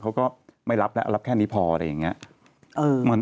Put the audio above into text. เขาก็ไม่รับแล้วรับแค่นี้พออะไรอย่างนี้